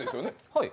はい。